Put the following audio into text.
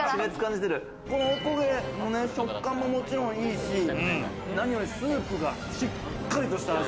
おこげの食感ももちろんいいし、何よりスープがしっかりとした味。